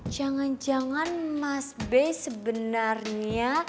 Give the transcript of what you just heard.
jangan jangan mas b sebenarnya